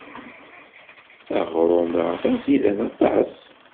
Aɣrum-a d aẓidan aṭas.